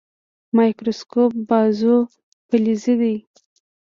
مایکروسکوپ بازو فلزي دی.